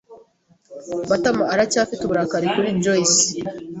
Matama aracyafite uburakari kuri Joyci.